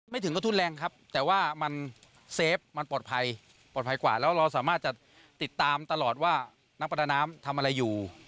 ถึงกระทุนแรงครับแต่ว่ามันเซฟมันปลอดภัยปลอดภัยกว่าแล้วเราสามารถจะติดตามตลอดว่านักประดาน้ำทำอะไรอยู่